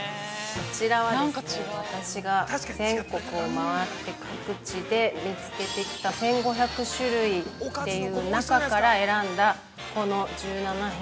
◆こちらは私が全国を回って各地で見つけてきた１５００種類っていう中から選んだこの１７品。